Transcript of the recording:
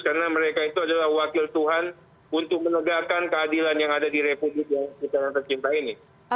karena mereka itu adalah wakil tuhan untuk menegakkan keadilan yang ada di republik yang sekarang tercinta ini